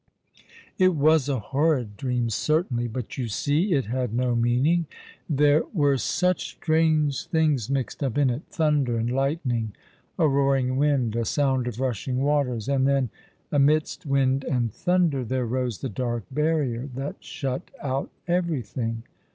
" It was a horrid dream, certainly ; but, you see, it had no meaning." " There were such strange things mixed up in it — thunder and lightning, a roaring wind, a sound of rushing waters ; ''Look throu^^h mme Eyes with thine^' 91 and tlicDj amidst ^"ind and tliiinder, there rose the dark barrier that shut out eyerything."